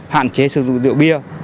hạn chế sử dụng rượu bia